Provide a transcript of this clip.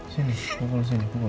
sini pukul sini pukul